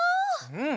うん！